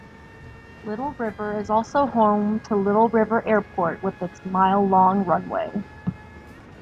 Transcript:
Little River is also home to Little River Airport with its mile-long runway.